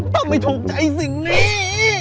ต้องไม่ถูกใจสิ่งนี้